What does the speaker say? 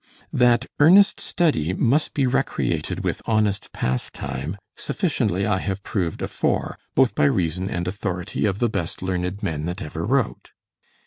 That earnest study must be recreated with honest pastime, sufficiently I have proved afore, both by reason and authority of the best learned men that ever wrote.